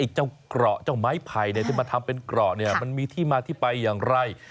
เจ้าเกราะเจ้าไม้ไผ่ที่มาทำเป็นเกราะมันมีที่มาที่ไปอย่างไร